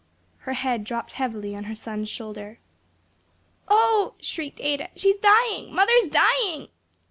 Her head dropped heavily on her son's shoulder. "Oh," shrieked Ada, "she's dying! mother's dying!"